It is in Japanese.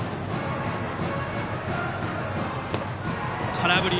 空振り。